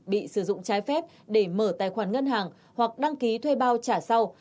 bị sử dụng trái phép để mở tài khoản ngân hàng hoặc đăng ký thuê bao trả sau